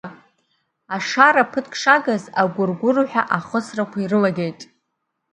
Ашара ԥыҭк шагыз агәыргәырҳәа ахысрақәа ирылагеит.